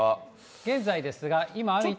現在ですが。